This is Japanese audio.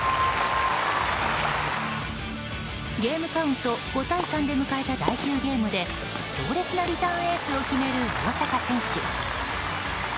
ゲームカウント５対３で迎えた第９ゲームで強烈なリターンエースを決める大坂選手。